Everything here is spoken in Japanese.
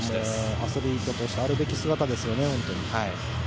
アスリートとしてあるべき姿ですよね。